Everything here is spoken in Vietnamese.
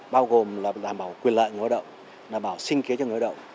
bao gồm là đảm bảo quyền lợi người đồng đảm bảo sinh kế cho người đồng